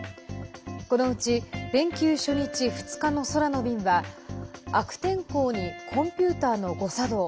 このうち、連休初日２日の空の便は悪天候にコンピューターの誤作動